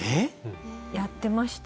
やってました？